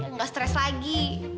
nggak stres lagi